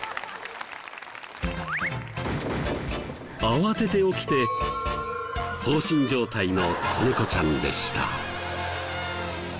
慌てて起きて放心状態の子猫ちゃんでした。